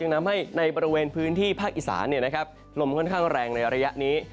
นำให้ในบริเวณพื้นที่ภาคอีสานลมค่อนข้างแรงในระยะนี้